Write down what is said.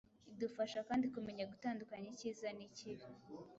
idufasha kandi kumenya gutandukanya icyiza n‟ikibi.